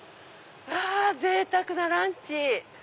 ぜいたくなランチ！